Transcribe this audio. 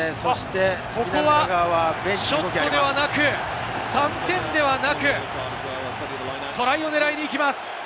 ここはショットではなく、３点ではなく、トライを狙いにいきます！